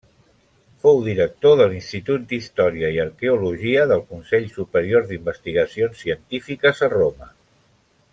Fou director de l'Institut d'Història i Arqueologia del Consell Superior d'Investigacions Científiques a Roma.